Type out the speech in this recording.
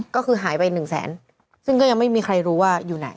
ก็คือหายไปหนึ่งแสนซึ่งก็ยังไม่มีใครรู้ว่าอยู่ไหน